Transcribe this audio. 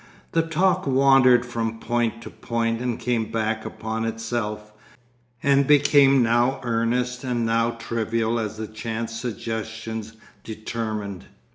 The talk wandered from point to point and came back upon itself, and became now earnest and now trivial as the chance suggestions determined.